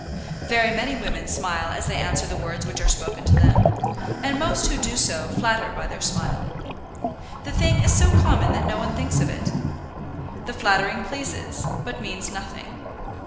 Very many women smile as they answer the words which are spoken to them, and most who do so flatter by their smile. The thing is so common that no one thinks of it. The flattering pleases, but means nothing.